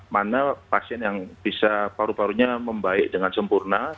mana pasien yang bisa paru parunya membaik dengan sempurna